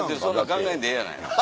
考えんでええやない。